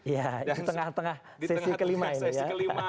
ya di tengah tengah sesi kelima ini ya